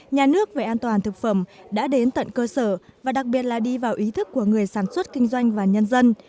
nhà nước về an toàn thực phẩm đã đến tận cơ sở và đặc biệt là đi vào ý thức của người sản xuất kinh doanh và nhân dân